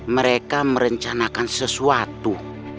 mereka merencanakan sesuatu